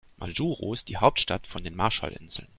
Majuro ist die Hauptstadt von den Marshallinseln.